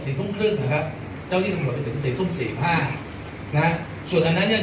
ทุ่มครึ่งนะครับเจ้าที่ตำรวจไปถึงสี่ทุ่มสี่ห้านะส่วนอันนั้นเนี่ย